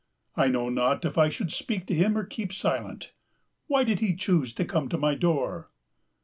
I know not if I should speak to him or keep silent. Why did he choose to come to my door?